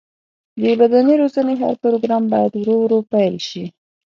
د بدني روزنې هر پروګرام باید ورو ورو پیل شي.